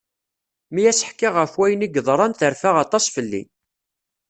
Mi as-ḥkiɣ ɣef wayen i yeḍran terfa aṭas fell-i.